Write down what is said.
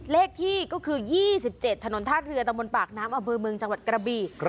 เลขที่ก็คือ๒๗ถนนธาตุเรือตำบลปากน้ำอำเมิงจังหวัดกระบี